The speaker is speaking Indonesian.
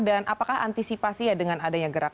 dan apakah antisipasi dengan adanya gerakan